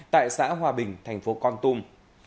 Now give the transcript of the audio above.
tại xã hòa bình thành phố con tum